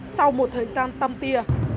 sau một thời gian tâm tia